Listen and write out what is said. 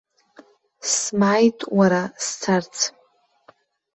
Смааит, уара, сцарц!